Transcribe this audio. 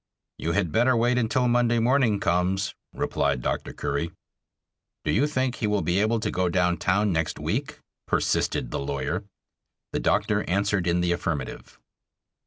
"You had better wait until Monday morning comes," replied Dr. Curry. "Do you think he will be able to go down town next week?" persisted the lawyer. The doctor answered in the affirmative.